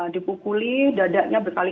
di pukuli dadanya bertengkar